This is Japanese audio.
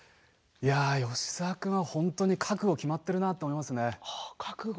吉沢君は本当に覚悟が決まっているなと思いますね。